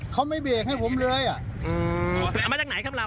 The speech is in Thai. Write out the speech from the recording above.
เขาไม่เบรกให้ผมเลยอ่ะเอามาจากไหนครับเรา